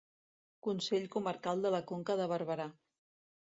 Consell Comarcal de la Conca de Barberà.